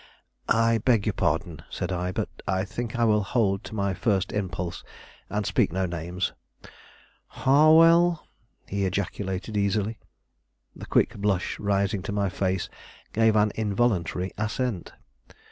"I beg your pardon," said I; "but I think I will hold to my first impulse, and speak no names." "Harwell?" he ejaculated easily. The quick blush rising to my face gave an involuntary assent.